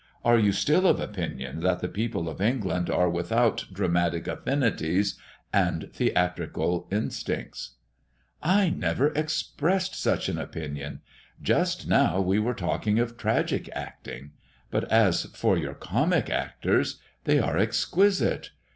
Are you still of opinion, that the people of England are without dramatic affinities and theatrical instincts?" "I never expressed such an opinion. Just now we were talking of tragic acting; but as for your comic actors, they are exquisite.